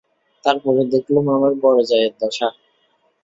তার পরে দেখলুম আমার বড়ো জায়ের দশা।